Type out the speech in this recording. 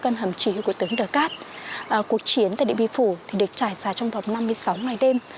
căn hầm chỉ huy của tướng đờ cát cuộc chiến tại địa biểu phủ thì được trải xa trong vòng năm mươi sáu ngày đêm